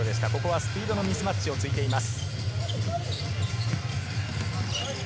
スピードのミスマッチをついています。